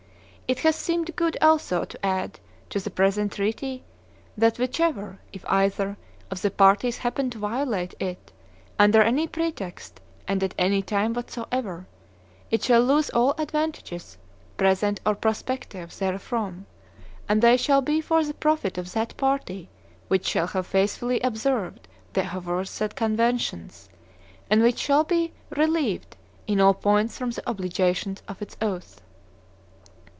It hath seemed good also to add to the present treaty that whichever, if either, of the parties happen to violate it, under any pretext and at any time whatsoever, it shall lose all advantages, present or prospective, therefrom; and they shall be for the profit of that party which shall have faithfully observed the aforesaid conventions, and which shall be relieved in all points from the obligations of its oath."